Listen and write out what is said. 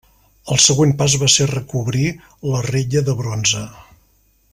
El següent pas va ser recobrir la rella de bronze.